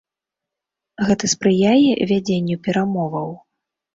Гэта спрыяе вядзенню перамоваў?